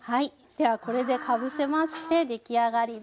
ではこれでかぶせまして出来上がりです。